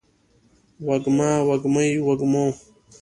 وږمه، وږمې ، وږمو